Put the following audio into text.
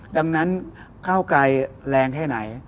ดังนั้นเก้ากายแลงแค่ไหน